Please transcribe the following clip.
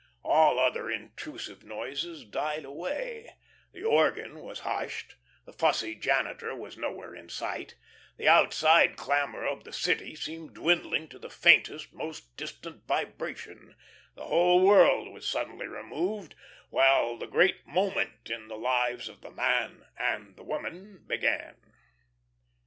All other intrusive noises died away; the organ was hushed; the fussy janitor was nowhere in sight; the outside clamour of the city seemed dwindling to the faintest, most distant vibration; the whole world was suddenly removed, while the great moment in the lives of the Man and the Woman began.